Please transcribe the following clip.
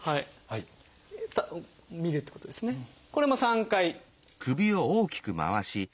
見るってことですね。